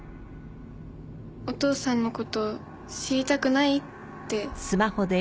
お父さんの事知りたくない？って。